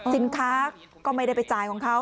สินค้าก็ไม่ได้ไปจ่ายของเขา